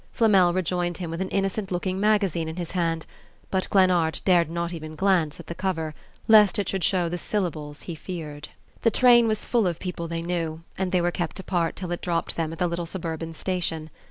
Flamel rejoined him with an innocent looking magazine in his hand; but Glennard dared not even glance at the cover, lest it should show the syllables he feared. The train was full of people they knew, and they were kept apart till it dropped them at the little suburban station.